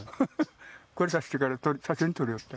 これさしてから写真撮りよった。